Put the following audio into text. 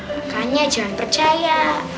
makanya jangan percaya